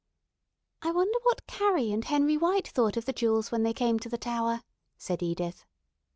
"I wonder what Carrie and Henry White thought of the jewels when they came to the tower," said Edith.